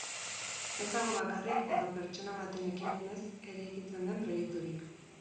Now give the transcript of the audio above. Ez dago bakarrik edo pertsona baten ekimenez eraikitzen den proiekturik.